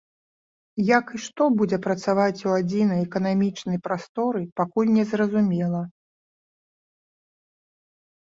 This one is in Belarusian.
Як і што будзе працаваць у адзінай эканамічнай прасторы, пакуль не зразумела.